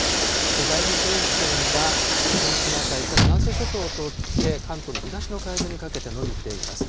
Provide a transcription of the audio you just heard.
梅雨前線は東シナ海から南西諸島を通って、関東の東の海上にかけてのびています。